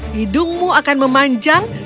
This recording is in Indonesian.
hidungmu akan memanjang